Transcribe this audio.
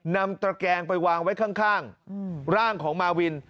ตระแกงไปวางไว้ข้างร่างของมาวิน